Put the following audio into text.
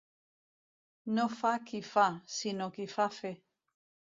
No fa qui fa, sinó qui fa fer.